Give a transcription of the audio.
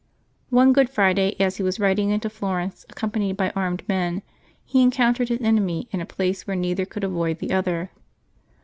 One Good Friday, as he was riding into Florence accompanied by armed men, he encountered his enemy in a place where neither could avoid the other.